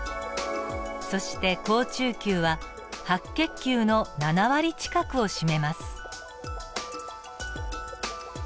そして好中球は白血球の７割近くを占めます。